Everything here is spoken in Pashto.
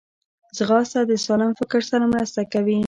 ځغاسته د سالم فکر سره مرسته کوي